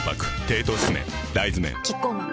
大豆麺キッコーマン